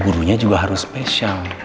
gurunya juga harus spesial